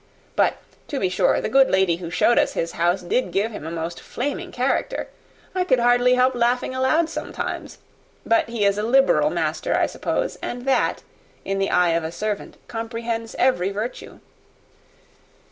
But, to be sure, the good lady who showed us the house did give him a most flaming character! I could hardly help laughing aloud sometimes. But he is a liberal master, I suppose, and that, in the eye of a servant, comprehends every virtue."